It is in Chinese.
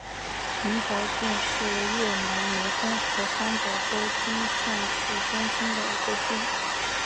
宁桥郡是越南湄公河三角洲芹苴市中心的一个郡。